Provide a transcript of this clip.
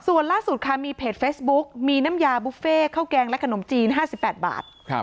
ส่วนล่าสุดค่ะมีเพจเฟซบุ๊กมีน้ำยาบุฟเฟ่ข้าวแกงและขนมจีน๕๘บาท